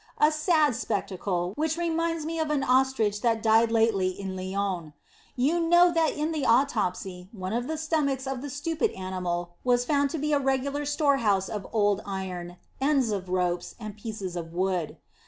A sad spectacle, which reminds me of an ostrich that died lately in Lyons. You know that in the autopsy, one of the stomachs of the stupid animal was found to be a regular storehouse of old iron, ends of ropes, and pieces ot wood.